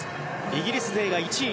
イギリス勢が１位、２位。